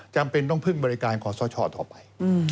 จำเป็นต้องพึ่งบริการขอสชต่อไป